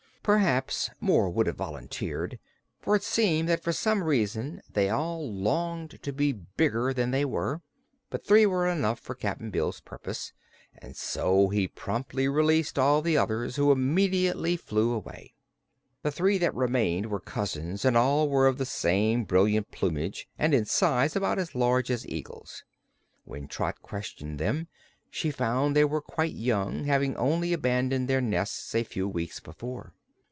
Perhaps more would have volunteered, for it seemed that for some reason they all longed to be bigger than they were; but three were enough for Cap'n Bill's purpose and so he promptly released all the others, who immediately flew away. The three that remained were cousins, and all were of the same brilliant plumage and in size about as large as eagles. When Trot questioned them she found they were quite young, having only abandoned their nests a few weeks before.